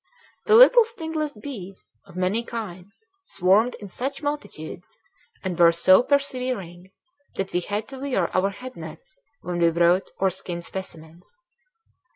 The little stingless bees, of many kinds, swarmed in such multitudes, and were so persevering, that we had to wear our head nets when we wrote or skinned specimens.